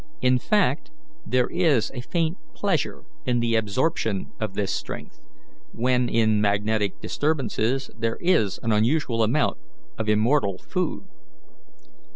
In fact, there is a faint pleasure in the absorption of this strength, when, in magnetic disturbances, there is an unusual amount of immortal food.